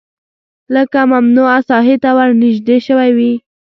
لکه ممنوعه ساحې ته ورنژدې شوی وي